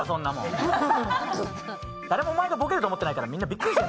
誰もお前がボケると思ってないからみんなびっくりしてる。